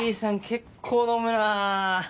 結構飲むなぁ。